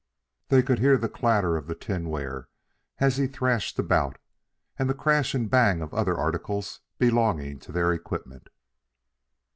They could hear the clatter of the tinware as he threshed about, and the crash and bang of other articles belonging to their equipment.